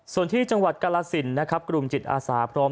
ส่วนที่จังหวัดกรราศิลป์กลุ่มจิตอาสาพร้อม